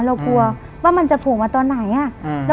เรากลัวว่ามันจะโผล่มาตอนไหนอ่ะ